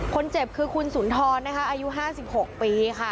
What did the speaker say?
คนเจ็บคือคุณสุนทรนะคะอายุ๕๖ปีค่ะ